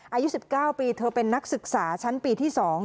อายุสิบเก้าปีเธอเป็นนักศึกษาชั้นปีที่สอง